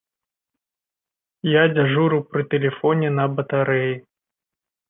Я дзяжуру пры тэлефоне на батарэі.